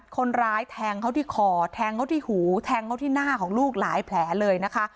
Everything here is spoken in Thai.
คนร้ายแทงเขาที่คอแทงเขาที่หูแทงเขาที่หน้าของลูกหลายแผลเลยนะคะ